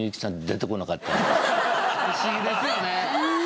不思議ですよね。